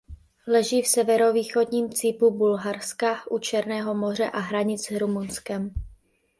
Leží v severovýchodním cípu Bulharska u Černého moře a hranic s Rumunskem.